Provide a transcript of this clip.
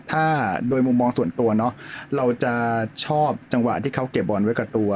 ถ้าโดยมุมมองส่วนตัวเนาะเราจะชอบจังหวะที่เขาเก็บบอลไว้กับตัว